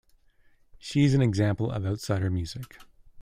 She is an example of outsider music.